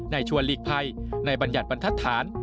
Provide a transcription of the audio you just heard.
นายชวนหลีกภัยนายบรรยัตน์บรรทัดฐาน